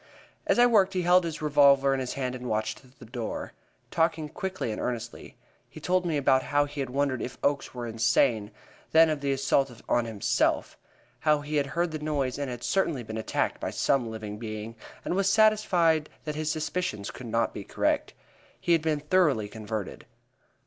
As I worked, he held his revolver in his hand and watched the door, talking quickly and earnestly. He told me about how he had wondered if Oakes were insane, then of the assault on himself; how he had heard the noise and had certainly been attacked by some living being, and was satisfied that his suspicions could not be correct. He had been thoroughly converted.